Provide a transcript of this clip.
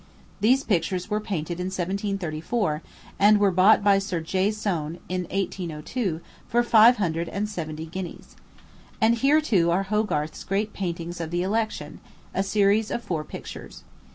These pictures were painted in 1734, and were bought by Sir J. Soane, in 1802, for five hundred and seventy guineas. And here, too, are Hogarth's great paintings of the Election a series of four pictures.